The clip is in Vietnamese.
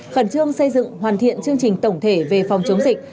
khẩn trương xây dựng hoàn thiện chương trình tổng thể về phòng chống dịch